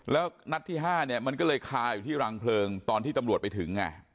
แล้วนัดที่๕เนี่ยมันก็เลยคาอยู่ที่รังเพลิงตอนที่ตำรวจไปถึง